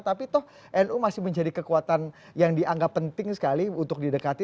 tapi toh nu masih menjadi kekuatan yang dianggap penting sekali untuk didekati